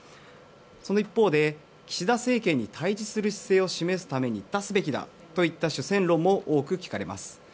その一方で岸田政権に対峙する姿勢を示すために出すべきだという主戦論も多く聞かれます。